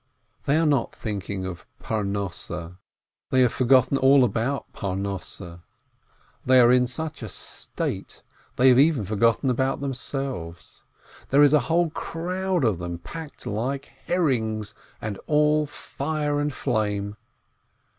They are not thinking of Parnosseh; they have forgotten all about Parnosseh; they are in such a state, they hare even forgotten about themselves. There is a whole crowd of them packed like herrings, and all fire and flame.